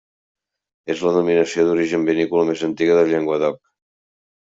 És la denominació d'origen vinícola més antiga del Llenguadoc.